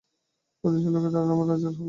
অধিকাংশ লোকের ধারণা, আমরা রাজার হালে থাকি।